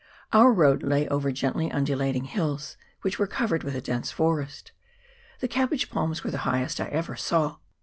Our road lay over gently undulating hills, which were covered with a dense forest. The cabbage palms were the highest I ever saw.